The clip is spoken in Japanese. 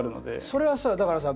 それはさだからさ